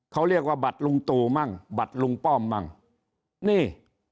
เขาเรียกว่าบัตรลุงตู่มั่งบัตรลุงป้อมมั่งนี่